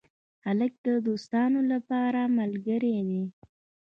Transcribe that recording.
هلک د دوستانو لپاره ملګری دی.